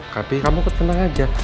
tapi kamu tenang aja